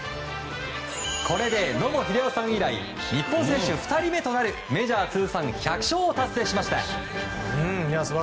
これで野茂英雄さん以来日本選手２人目となるメジャー通算１００勝を達成しました。